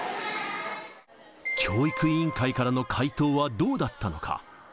教育委員会からの回答はどうだったのか。